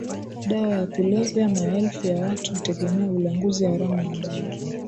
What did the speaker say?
dawa za kulevya Maelfu ya watu hutegemea ulanguzi haramu wa dawa